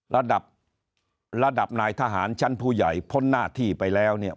ระดับระดับนายทหารชั้นผู้ใหญ่พ้นหน้าที่ไปแล้วเนี่ย